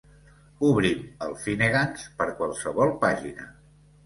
Obrim el Finnegan's per qualsevol pàgina.